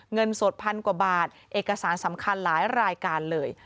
เงินสดพันกว่าบาทเอกสารสำคัญหลายรายการเลย